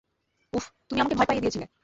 উফ, তুমি আমাকে ভয় পাইয়ে দিয়েছিলে!